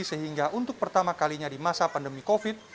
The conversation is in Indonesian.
sehingga untuk pertama kalinya di masa pandemi covid